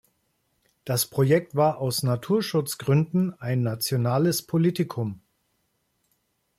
Das Projekt war aus naturschutzgründen ein nationales Politikum.